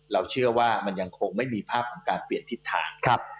เราเชื่อว่ามันยังคงไม่มีภาพของการเปลี่ยนทิศทาง